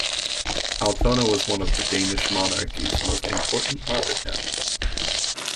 Altona was one of the Danish monarchy's most important harbour towns.